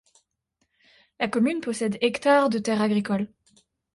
La commune possède ha de terres agricoles.